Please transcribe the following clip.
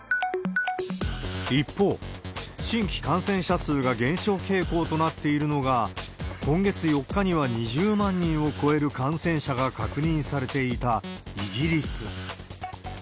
一方、新規感染者数が減少傾向となっているのが、今月４日には２０万人を超える感染者が確認されていたイギリス。